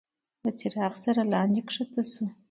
له څراغ سره لاندي کښته شو.